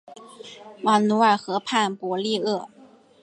卢瓦尔河畔博利厄。